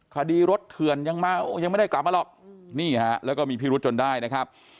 คดีรถเถื่อนยังมายังไม่ได้กลับมาหรอกนี่ฮะแล้วก็มีพิรุษจนได้นะครับ